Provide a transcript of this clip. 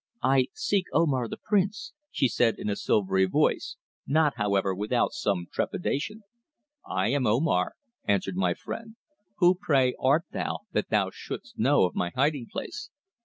"I seek Omar, the Prince," she said in a silvery voice, not, however, without some trepidation. "I am Omar," answered my friend. "Who, pray, art thou, that thou shouldst know of my hiding place?"